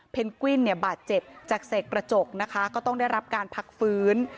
กวินเนี่ยบาดเจ็บจากเสกกระจกนะคะก็ต้องได้รับการพักฟื้น